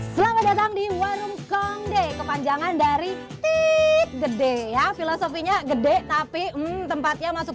selamat datang di warung kongde kepanjangan dari tip gede ya filosofinya gede tapi tempatnya masuk